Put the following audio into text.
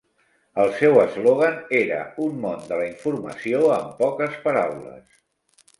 El seu eslògan era "Un món de la informació en poques paraules".